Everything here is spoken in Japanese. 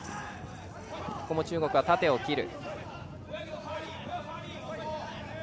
ここも中国は縦を切る。